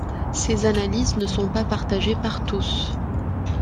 Ces analyses ne sont pas partagées par tous.